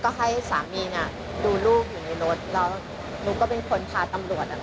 ก็ให้สามีเนี่ยดูลูกอยู่ในรถแล้วหนูก็เป็นคนพาตำรวจ